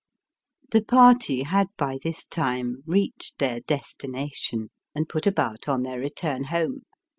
The party had by this time reached their destination, and put about on their return home.